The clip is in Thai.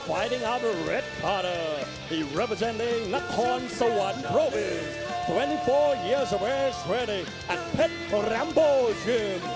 และเขาเป็นทายเวอร์เยอร์ที่กำลังกลับกัน